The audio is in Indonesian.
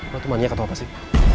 lo teman nyek atau apa sih